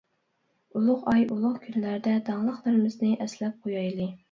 ئۇلۇغ ئاي، ئۇلۇغ كۈنلەردە داڭلىقلىرىمىزنى ئەسلەپ قويايلى.